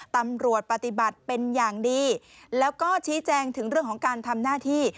ปฏิบัติเป็นอย่างดีแล้วก็ชี้แจงถึงเรื่องของการทำหน้าที่